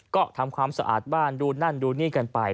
ก็ทำความสะอาดบ้านดูนั่นดูนี่กันไป